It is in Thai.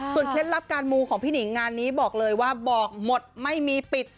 เคล็ดลับการมูของพี่หนิงงานนี้บอกเลยว่าบอกหมดไม่มีปิด